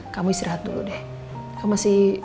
kamu istirahat dulu deh kamu masih